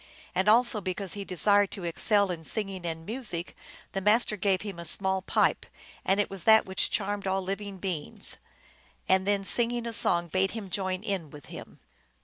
And also because he desired to excel in singing and music, the Master gave him a small pipe, and it was that which charmed all living beings; 1 and then singing a song bade him join in with him.